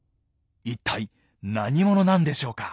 一体何者なんでしょうか？